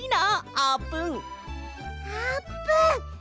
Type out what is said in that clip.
あーぷん！